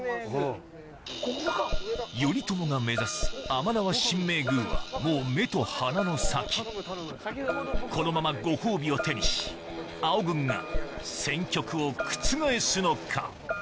頼朝が目指す甘縄神明宮はもう目と鼻の先このままご褒美を手にし青軍が戦局を覆すのか？